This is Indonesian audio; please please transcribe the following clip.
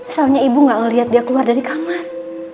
saunya ibu gak ngeliat dia keluar dari kamar